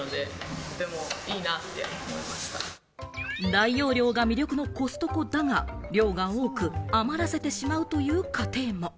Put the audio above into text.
大容量が魅力のコストコだが、量が多く余らせてしまうという家庭も。